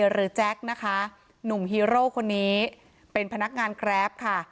แจ๊คนะคะหนุ่มฮีโร่คนนี้เป็นพนักงานแกรปค่ะ